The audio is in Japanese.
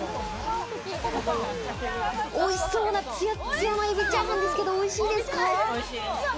美味しそうなツヤッツヤの海老チャーハンですけどおいしいですか？